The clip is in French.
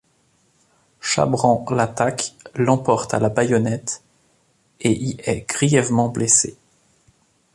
Chabran l'attaque, l'emporte à la baïonnette, et y est grièvement blessé.